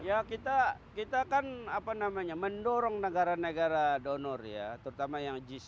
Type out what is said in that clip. ya kita kan mendorong negara negara donor ya terutama yang g tujuh